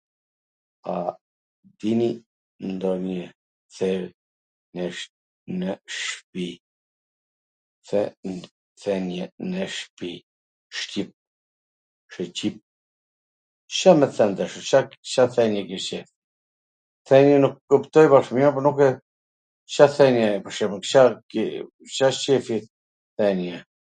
A dini ndonjw the .. thwnie nw ... shpi.. the... thenie nw shpi...? Shqip... Ca me t than tashi, Ca thenie ke qef? Thenie e kuptoj tash po nuk e... Ca thenie pqwr shemull, Car qefi thenie ...